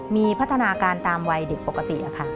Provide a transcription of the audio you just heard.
มีพัฒนาการตามวัยเด็กปกติค่ะ